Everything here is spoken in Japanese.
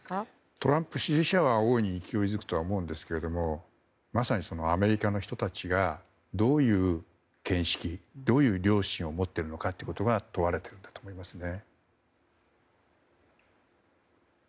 トランプ支持者は大いに勢いづくと思うんですがまさにアメリカの人たちがどういう見識どういう良心を持っているかが問われていると思いますね。